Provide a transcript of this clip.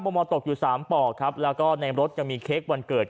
มอลตกอยู่สามปอกครับแล้วก็ในรถยังมีเค้กวันเกิด